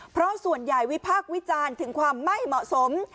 เพราะส่วนใหญ่วิพากษ์วิจารณ์ถึงความไม่เหมาะสม